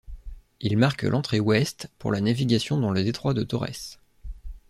Il marque l'entrée ouest, pour la navigation dans le Détroit de Torrès.